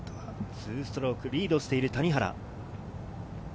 ２ストロークリードしている谷原。